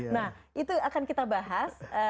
nah itu akan kita bahas